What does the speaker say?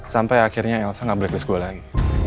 sampai akhirnya elsa nggak blacklist gue lagi